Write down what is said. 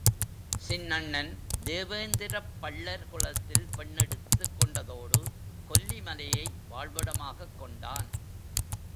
சின்னண்ணன் தேவேந்திரப் பள்ளர் குலத்தில் பெண்ணெடுத்துக் கொண்டதோடு, கொல்லிமலையை வாழ்விடமாகக் கொண்டான்.